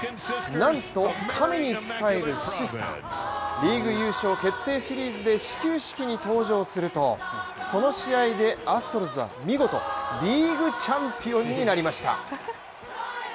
リーグ優勝決定シリーズで始球式に登場すると、その試合でアストロズは見事リーグチャンピオンになりました